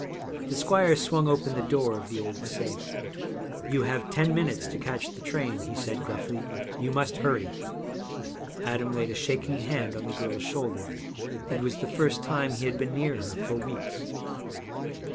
The squire swung open the door of the old safe. 'You have ten minutes to catch the train,' he said gruffly. 'You must hurry.' Adam laid a shaking hand on the girl's shoulder. It was the first time he had been near her for weeks.